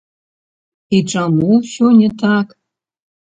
І чаму ўсё не так.